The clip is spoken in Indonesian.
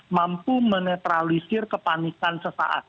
mampu menetralisir kepanikan sesaat